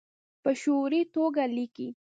په شعوري توګه لیکي